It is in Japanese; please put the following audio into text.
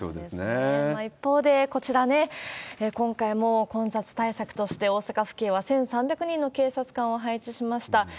一方で、こちら、今回も混雑対策として、大阪府警は１３００人の警察官を配置しました。